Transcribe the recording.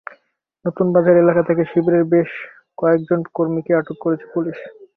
নতুন বাজার এলাকা থেকে শিবিরের বেশ কয়েকজন কর্মীকে আটক করেছে পুলিশ।